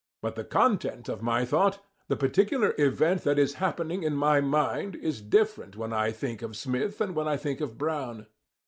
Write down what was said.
But the content of my thought, the particular event that is happening in my mind, is different when I think of Smith and when I think of Brown.